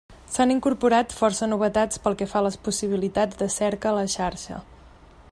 S'han incorporat força novetats pel que fa a les possibilitats de cerca a la xarxa.